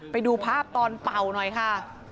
ไปดูภาพตอนเป่าหน่อยค่ะ